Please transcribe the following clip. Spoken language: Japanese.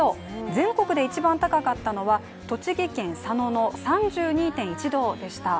全国で一番高かったのは栃木県佐野の３２．１度でした。